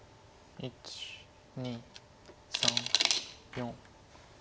１２３４。